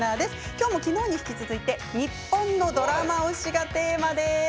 きょうもきのうに引き続いて日本のドラマ推しがテーマです。